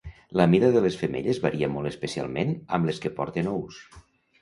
La mida de les femelles varia molt especialment amb les que porten ous.